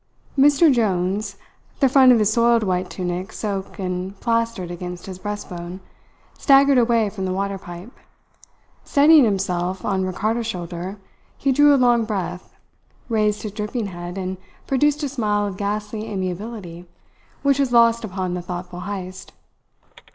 Mr Jones, the front of his soiled white tunic soaked and plastered against his breast bone, staggered away from the water pipe. Steadying himself on Ricardo's shoulder, he drew a long breath, raised his dripping head, and produced a smile of ghastly amiability, which was lost upon the thoughtful Heyst.